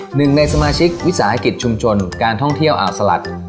หนึ่งในสมาชิกวิสาหกิจชุมชนการท่องเที่ยวอ่าวสลัด